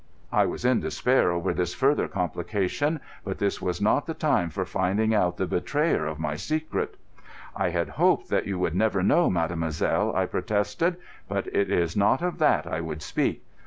I was in despair over this further complication; but this was not the time for finding out the betrayer of my secret. "I had hoped that you would never know, mademoiselle," I protested. "But it is not of that I would speak.